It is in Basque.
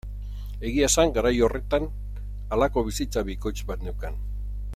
Egia esan garai horretan halako bizitza bikoitz bat neukan.